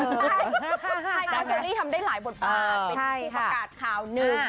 ใช่เพราะเชอรี่ทำได้หลายบทบาทเป็นประกาศข่าวหนึ่ง